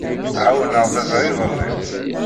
Ɛawneɣ baba iḍelli.